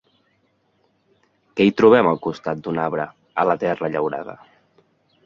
Què hi trobem al costat d'un arbre a La terra llaurada?